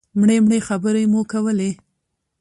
مړې مړې خبرې مو کولې.